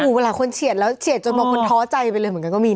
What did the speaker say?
เวลาคนเฉียดแล้วเฉียดจนบางคนท้อใจไปเลยเหมือนกันก็มี